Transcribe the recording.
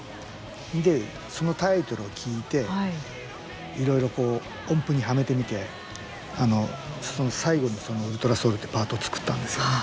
で、そのタイトルを聞いていろいろこう、音符にはめてみてその最後にウルトラソウルっていうパートを作ったんですよ。